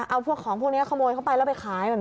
เอาพวกของพวกนี้ขโมยเข้าไปแล้วไปขาย